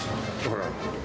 ほら。